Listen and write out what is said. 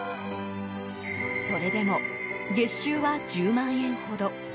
それでも月収は１０万円ほど。